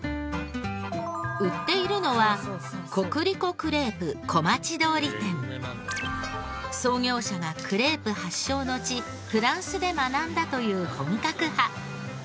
売っているのは創業者がクレープ発祥の地フランスで学んだという本格派。